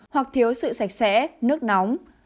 hoặc thiếu sự sạch sẽ nước nóng